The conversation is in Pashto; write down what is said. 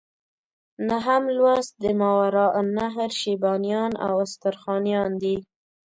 نهم لوست د ماوراء النهر شیبانیان او استرخانیان دي.